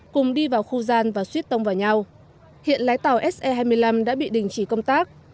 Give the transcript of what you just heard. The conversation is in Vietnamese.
cùng đi vào khu gian và suýt tông vào nhau hiện lái tàu se hai mươi năm đã bị đình chỉ công tác